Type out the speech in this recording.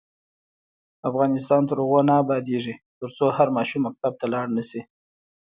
افغانستان تر هغو نه ابادیږي، ترڅو هر ماشوم مکتب ته لاړ نشي.